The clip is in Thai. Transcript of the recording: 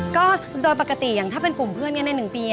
ก็โดยปกติอย่างถ้าเป็นกลุ่มเพื่อนกันใน๑ปี